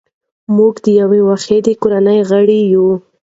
موږ د یوې واحدې کورنۍ غړي یو.